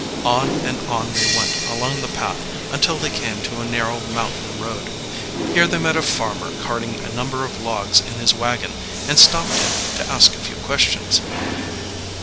On and on they went along the path until they came to a narrow mountain road. Here they met a farmer carting a number of logs in his wagon, and stopped him to ask a few questions.